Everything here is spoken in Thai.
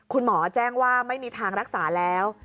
คุณหมอแจ้งว่าไม่มีทางรักษาแล้ว